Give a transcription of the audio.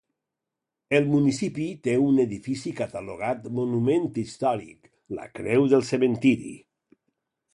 El municipi té un edifici catalogat monument històric, la creu de cementiri.